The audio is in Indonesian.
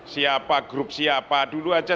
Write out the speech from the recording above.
siapa grup siapa dulu aja